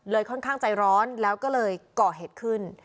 ค่อนข้างใจร้อนแล้วก็เลยก่อเหตุขึ้น